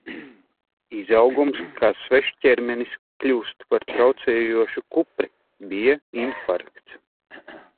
Izaugums kā svešķermenis kļūst par traucējošu kupri. Bija infarkts.